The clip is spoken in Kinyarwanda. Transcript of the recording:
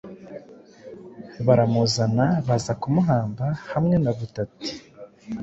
baramuzana baza kumuhamba hamwe na butati